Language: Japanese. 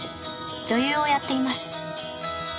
女優をやっています。